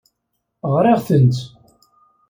Ɣriɣ-tent.